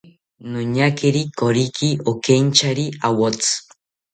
Noñakiri koriki okeinchari awotzi